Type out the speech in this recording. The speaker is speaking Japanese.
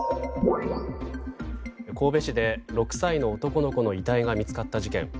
神戸市で、６歳の男の子の遺体が見つかった事件。